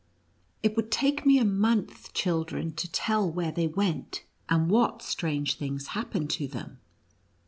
It would take me a month, children, to tell where they went, and what strange things happened to them.